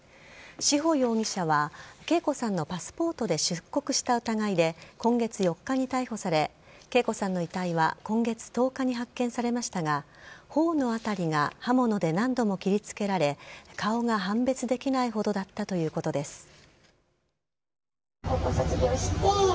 志穂容疑者は啓子さんのパスポートで出国した疑いで今月４日に逮捕され啓子さんの遺体は今月１０日に発見されましたが頬の辺りが刃物で何度も切りつけられ顔が判別できないほどだったということです。